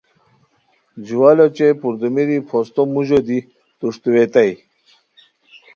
جوال اوچے پردومیری پھوستو موژو دی توݰتویتائے